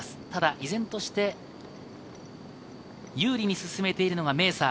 依然として有利に進めているのがメーサー。